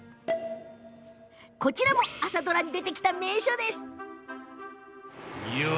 続いても朝ドラに出てきた名所ですよ。